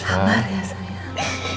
sabar ya sayang